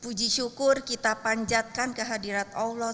puji syukur kita panjatkan ke hadirat allah